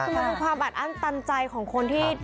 คือมันเป็นความอัดอั้นตันใจของคนที่